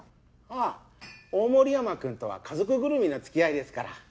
ああ大森山君とは家族ぐるみの付き合いですから。